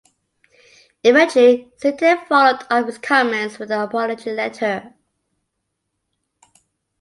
Eventually, Sitek followed up his comments with an apology letter.